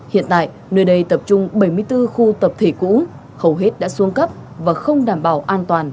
hiện tại nơi đây tập trung bảy mươi bốn khu tập thể cũ hầu hết đã xuống cấp và không đảm bảo an toàn